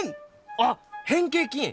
あっ変形菌！